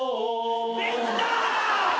できた！